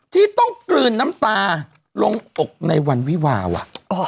ที่ต้องกลืนน้ำตาลงอกในวันวิวาว่ะ